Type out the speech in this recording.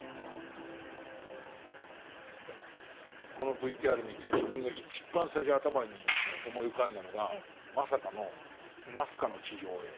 このＶＴＲ見て自分が一番最初に頭に思い浮かんだのがまさかのナスカの地上絵。